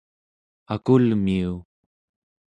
akulmiu